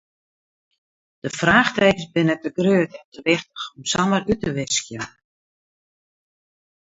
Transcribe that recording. De fraachtekens binne te grut en te wichtich om samar út te wiskjen.